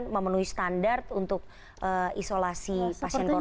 memenuhi standar untuk isolasi pasien corona